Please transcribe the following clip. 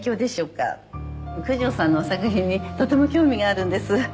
九条さんの作品にとても興味があるんです。